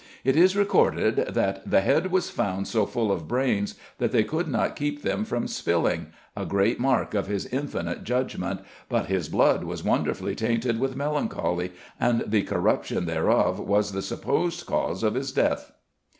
It is recorded "that the head was found so full of brains that they could not keep them from spilling a great mark of his infinite judgment; but his blood was wonderfully tainted with melancholy, and the corruption thereof was the supposed cause of his death."